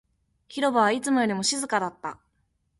広場はいつもよりも静かだった